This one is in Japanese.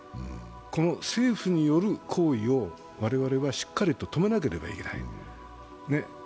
この政府による行為を我々はしっかりと止めなければいけない。